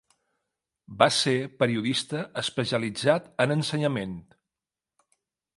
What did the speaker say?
Va ser periodista especialitzat en ensenyament.